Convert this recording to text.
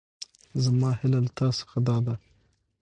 زما هېله له تاسو څخه دا ده.